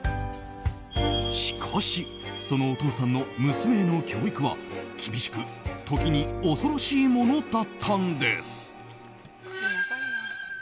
しかし、そのお父さんの娘への教育は厳しく、時に恐ろしいものだったんです。